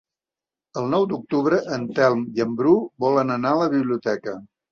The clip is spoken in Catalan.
El nou d'octubre en Telm i en Bru volen anar a la biblioteca.